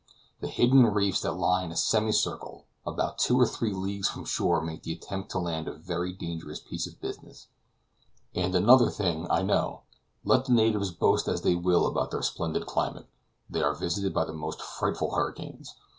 The hidden reefs that lie in a semicircle about two or three leagues from shore make the attempt to land a very dangerous piece of business. And another thing, I know. Let the natives boast as they will about their splendid climate, they are visited by the most frightful hurricanes.